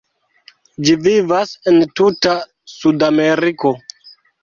Ĝi vivas en tuta Sudameriko.